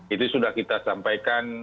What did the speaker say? itu sudah kita sampaikan